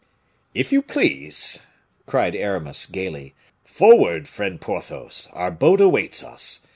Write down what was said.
"If you please," cried Aramis, gayly. "Forward, friend Porthos; our boat awaits us.